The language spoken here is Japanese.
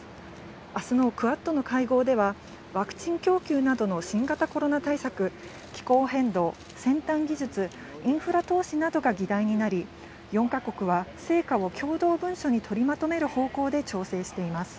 明日のクアッドの会合ではワクチン供給などの新型コロナ対策、気候変動、先端技術、インフラ投資などが議題になり、４か国は成果を共同文書にとりまとめる方向で調整しています。